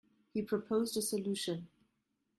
He proposed a solution.